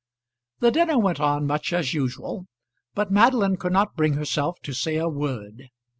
The dinner went on much as usual, but Madeline could not bring herself to say a word.